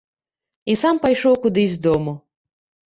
І сам пайшоў кудысь з дому.